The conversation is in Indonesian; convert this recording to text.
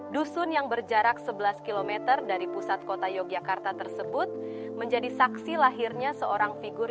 dusun yang berjarak sebelas km dari pusat kota yogyakarta tersebut menjadi saksi lahirnya seorang figur